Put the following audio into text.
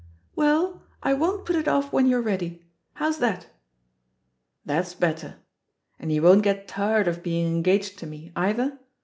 "Well, I won't put it off when you're ready. How's tliat?" "That's better. And you won't get tired of being engaged to me, either?